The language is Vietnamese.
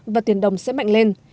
và tiền đồng sẽ mạnh lên